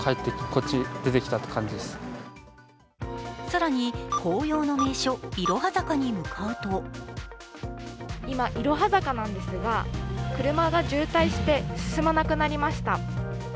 更に紅葉の名所、いろは坂に向かうと今いろは坂なんですが車が渋滞して進まなくなりました。